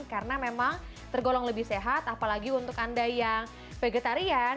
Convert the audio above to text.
karena memang tergolong lebih sehat apalagi untuk anda yang vegetarian